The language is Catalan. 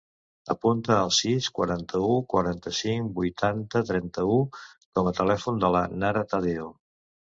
Apunta el sis, quaranta-u, quaranta-cinc, vuitanta, trenta-u com a telèfon de la Nara Tadeo.